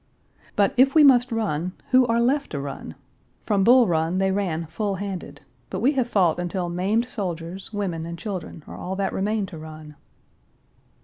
But if we must run, who are left to run? From Bull Run they ran full handed. But we have fought until maimed soldiers, women, and children are all that remain to run.